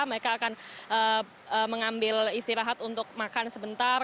mereka akan mengambil istirahat untuk makan sebentar